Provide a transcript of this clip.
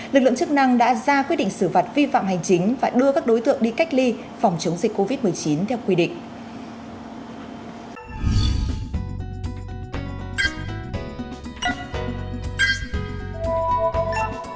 lực lượng chức năng đã ra quyết định xử phạt vi phạm hành chính và đưa các đối tượng đi cách ly phòng chống dịch covid một mươi chín theo quy định